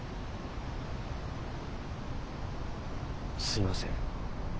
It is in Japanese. すみません。